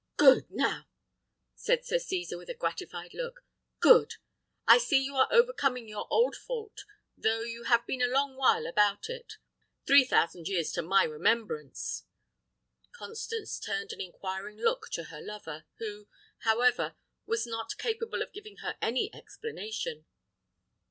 "Good, now!" said Sir Cesar, with a gratified look: "good! I see you are overcoming your old fault, though you have been a long while about it. Three thousand years! three thousand years to my remembrance." Constance turned an inquiring look to her lover, who, however, was not capable of giving her any explanation.